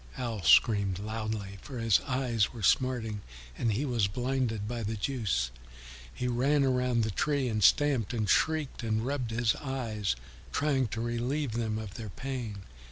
Owl screamed loudly, for his eyes were smarting and he was blinded by the juice; he ran around the tree and stamped and shrieked and rubbed his eyes, trying to relieve them of their pain.